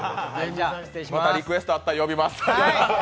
またリクエストあったら呼びます。